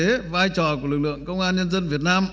thế vai trò của lực lượng công an nhân dân việt nam